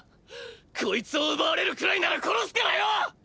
こいつを奪われるくらいなら殺すからよ！！